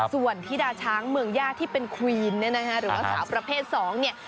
ส่วนธิดาช้างเมืองย่าที่เป็นควีนเนี่ยนะฮะหรือว่าสาวประเภท๒เนี่ย